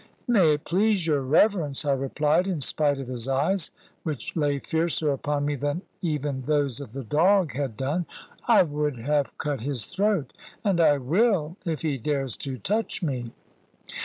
"May it please your reverence," I replied, in spite of his eyes, which lay fiercer upon me than even those of the dog had done, "I would have cut his throat; and I will, if he dares to touch me."